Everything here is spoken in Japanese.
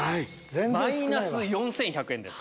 マイナス４１００円です。